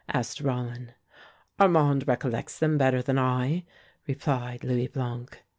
asked Rollin. "Armand recollects them better than I," replied Louis Blanc.